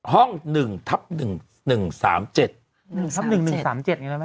ห้อง๑ทับ๑๑๓๗๑ทับ๑๑๓๗อย่างนั้นไหม